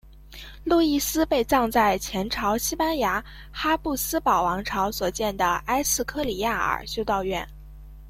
路易斯被葬在前朝西班牙哈布斯堡王朝所建的埃斯科里亚尔修道院。